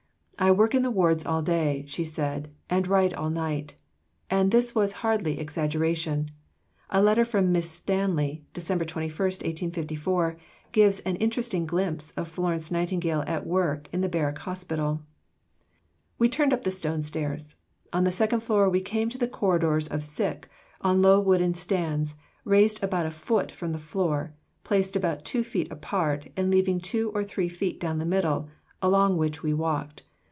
"I work in the wards all day," she said, "and write all night"; and this was hardly exaggeration. A letter from Miss Stanley (Dec. 21, 1854) gives an interesting glimpse of Florence Nightingale at work in the Barrack Hospital: We turned up the stone stairs; on the second floor we came to the corridors of sick, on low wooden stands, raised about a foot from the floor, placed about 2 feet apart, and leaving 2 or 3 feet down the middle, along which we walked.